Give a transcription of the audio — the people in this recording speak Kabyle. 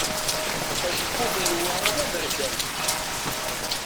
Acebbub n Newwara d aberkan.